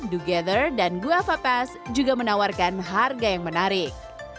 together dan guava pass juga menawarkan harga yang menarik